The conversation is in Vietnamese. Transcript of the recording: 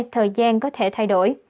thời gian có thể thay đổi